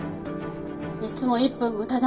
いつも「１分無駄だ」